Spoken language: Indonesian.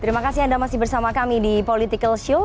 terima kasih anda masih bersama kami di political show